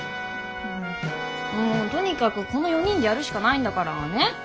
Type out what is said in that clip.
もうとにかくこの４人でやるしかないんだから。ね？